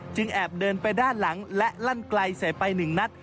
แอบเดินไปด้านหลังและลั่นไกลใส่ไปหนึ่งนัด